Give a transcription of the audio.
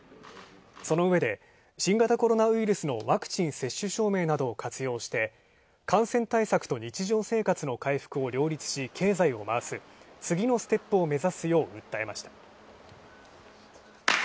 そのうえで、新型コロナウイルスのワクチン接種証明などを活用して感染対策と日常生活の回復を両立し、経済を回す次のステップを目指すよう訴えました。